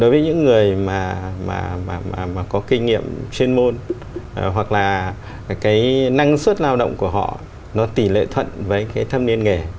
với những người mà có kinh nghiệm chuyên môn hoặc là cái năng suất lao động của họ nó tỷ lệ thuận với cái thâm niên nghề